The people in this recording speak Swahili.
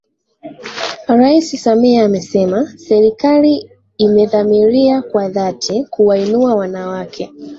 Rais Samia amesema Serikali imedhamiria kwa dhati kuwainua Wanawake